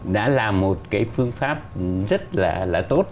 đã là một phương pháp rất là tốt